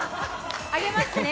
あげますね。